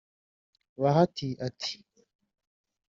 Bahati ati